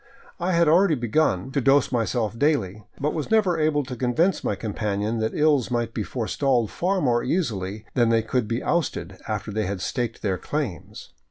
I had already begun to 530 ON FOOT ACROSS TROPICAL BOLIVIA dose myself daily, but was never able to convince my companion that ills might be forestalled far more easily than they could be ousted after they had staked their claims.